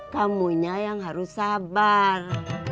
kamu nya yang harus sabar